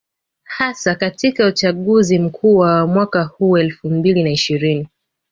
Hasa katika uchaguzi mkuu wa mwaka huu elfu mbili na ishirini